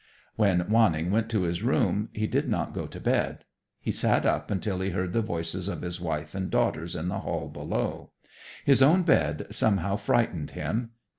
When Wanning went to his room he did not go to bed. He sat up until he heard the voices of his wife and daughters in the hall below. His own bed somehow frightened him.